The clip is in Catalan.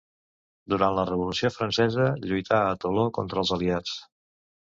Durant la Revolució Francesa lluità a Toló contra els aliats.